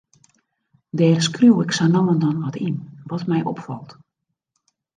Dêr skriuw ik sa no en dan wat yn, wat my opfalt.